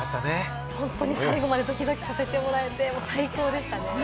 本当に最後までドキドキさせてもらえて最高でした。